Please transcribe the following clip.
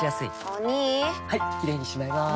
お兄はいキレイにしまいます！